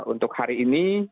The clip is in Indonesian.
untuk hari ini